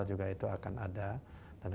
juga itu akan ada tapi